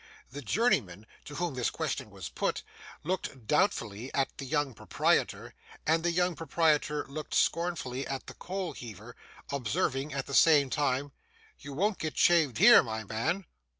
The journeyman, to whom this question was put, looked doubtfully at the young proprietor, and the young proprietor looked scornfully at the coal heaver: observing at the same time: 'You won't get shaved here, my man.